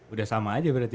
udah sama aja berarti